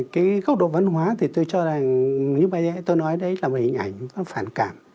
cái góc độ văn hóa thì tôi cho rằng tôi nói đấy là một hình ảnh phản cảm